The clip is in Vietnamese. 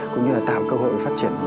cũng như là tạo cơ hội phát triển